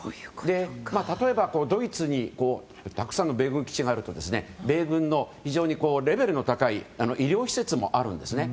例えばドイツにたくさんの米軍基地があると米軍の非常にレベルの高い医療施設もあるんですね。